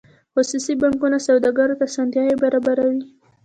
خصوصي بانکونه سوداګرو ته اسانتیاوې برابروي